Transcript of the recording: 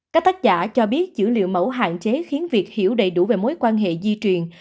các tác giả cho biết dữ liệu mẫu hạn chế khiến việc hiểu đầy đủ về mối quan hệ di truyền